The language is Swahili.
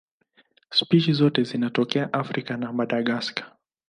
Spishi zote zinatokea Afrika na Madagaska.